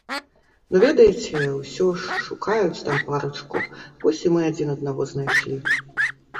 Ну ведаеце, усё ж шукаюць там парачку, вось і мы адзін аднаго знайшлі.